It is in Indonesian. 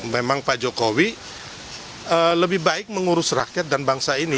memang pak jokowi lebih baik mengurus rakyat dan bangsa ini